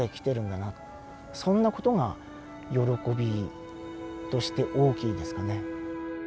そんな事が喜びとして大きいですかね。